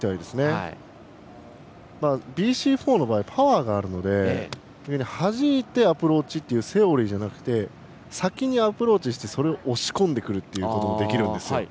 ＢＣ４の場合パワーがあるのではじいてアプローチというセオリーではなくて先にアプローチして、それを押し込んでくるということもできるんですよ。